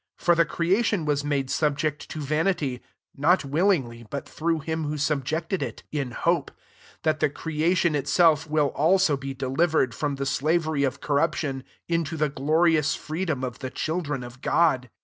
QO For the creation was made subject to vanity, (not wil lingly, but through^ him who subjected iV .*) 21 in hope, that the creation itself will also be delivered, from the slavery of corruption, into the glorious freedom of the children of God.